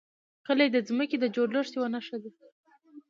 کلي د ځمکې د جوړښت یوه نښه ده.